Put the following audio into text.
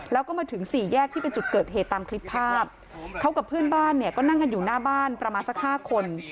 แล้วก็มาถึงสี่แยกที่เป็นจุดเกิดเหตุตามคลิปภาพเขากับเพื่อนบ้านเนี่ยก็นั่งกันอยู่หน้าบ้านประมาณสักห้าคน